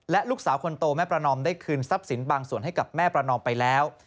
และลูกสาวคนโตแม่ประนอมได้คืนทรัพย์สินบางส่วนให้กับแม่ประนอมไปแล้ว